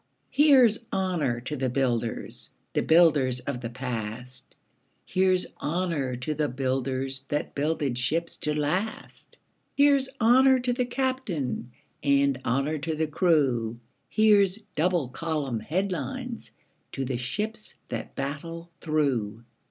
Here's honour to the builders – The builders of the past; Here's honour to the builders That builded ships to last; Here's honour to the captain, And honour to the crew; Here's double column headlines To the ships that battle through.